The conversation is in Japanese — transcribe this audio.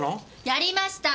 やりました！